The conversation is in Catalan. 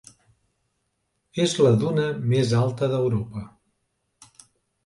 És la duna més alta d'Europa.